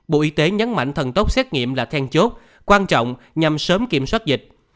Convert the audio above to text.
bộ y tế nhấn mạnh thần tốc xét nghiệm là then chốt quan trọng nhằm sớm kiểm soát dịch